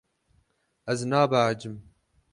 Ez nabehecim.